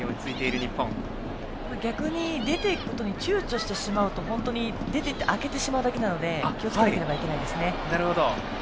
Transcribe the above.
逆に出て行くことにちゅうちょしてしまうと本当に出て行って空けてしまうだけなので気をつけなければいけないですね。